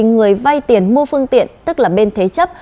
người vay tiền mua phương tiện tức là bên thế chấp